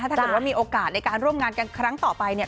ถ้าเกิดว่ามีโอกาสในการร่วมงานกันครั้งต่อไปเนี่ย